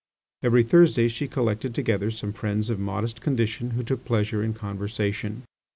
Every Thursday she collected together some friends of modest condition who took pleasure in conversation.